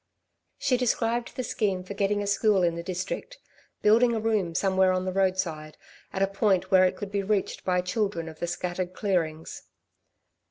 She described the scheme for getting a school in the district, building a room somewhere on the roadside, at a point where it could be reached by children of the scattered clearings.